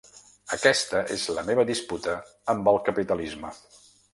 Aquesta és la meva disputa amb el capitalisme.